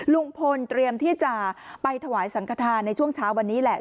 ลุงพลเตรียมที่จะไปถวายสังขทานในช่วงเช้าวันนี้แหละ